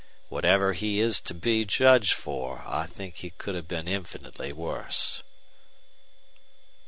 Whatever he is to be judged for, I think he could have been infinitely worse."